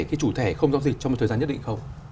cái chủ thẻ không giao dịch trong một thời gian nhất định không